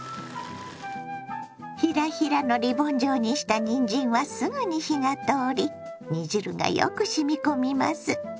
ヒラヒラのリボン状にしたにんじんはすぐに火が通り煮汁がよくしみ込みます。